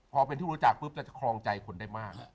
พอเป็นที่รู้จักปุ๊บจะครองใจคนได้มาก